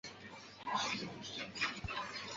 毛脉对叶兰为兰科对叶兰属下的一个种。